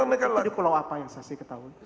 itu pulau apa yang saya ketahui